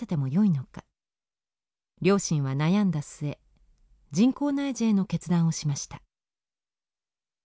両親は悩んだ末人工内耳への決断をしました。